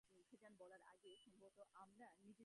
না, গানার কখনোই অমন করবে না।